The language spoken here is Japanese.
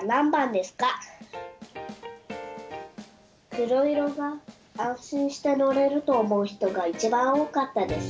黒色が安心して乗れると思う人が一番多かったです。